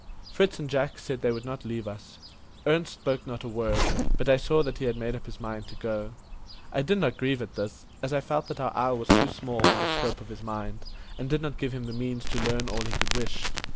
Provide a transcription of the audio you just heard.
Fritz and Jack said they would not leave us; Ernest spoke not a word, but I saw that he had made up his mind to go. I did not grieve at this, as I felt that our isle was too small for the scope of his mind, and did not give him the means to learn all he could wish.